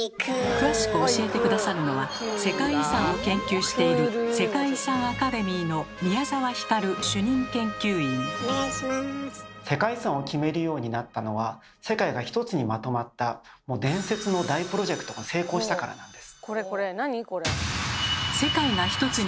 詳しく教えて下さるのは世界遺産を研究している世界遺産を決めるようになったのは世界がひとつにまとまった伝説の大プロジェクトが成功したからなんです。